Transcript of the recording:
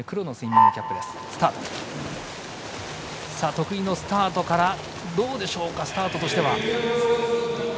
得意のスタートからどうでしょうか、スタートしては。